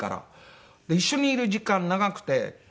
一緒にいる時間長くて。